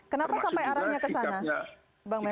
kenapa sampai arahnya ke sana bang mel